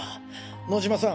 野嶋さん